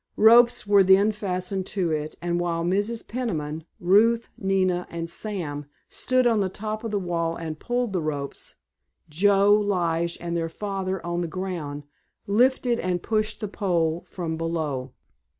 Ropes were then fastened to it, and while Mrs. Peniman, Ruth, Nina, and Sam stood on the top of the wall and pulled the ropes, Joe, Lige, and their father, on the ground, lifted and pushed the pole from below.